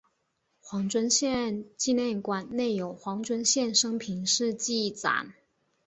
黄遵宪纪念馆内有黄遵宪生平事迹展。